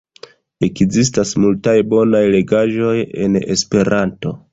Ekzistas multaj bonaj legaĵoj en Esperanto.